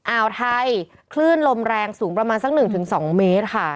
อ่าวไทยคลื่นลมแรงสูงประมาณสัก๑๒เมตรค่ะ